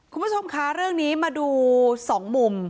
คุณผู้ชมคะเรื่องนี้มาดูสองมุม